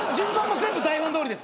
全部台本どおりです